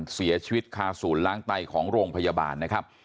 เสียชีวิตคาศูนย์ล้างไตของโรงพยาบาลนะครับ